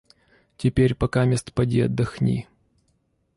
Теперь покамест поди отдохни».